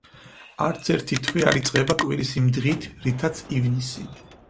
არც ერთი თვე არ იწყება კვირის იმ დღით, რითაც ივნისი.